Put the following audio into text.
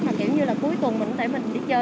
mà kiểu như là cuối tuần mình cũng thấy mình đi chơi